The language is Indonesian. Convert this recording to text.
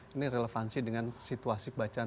ini relevansi dengan situasi bacaan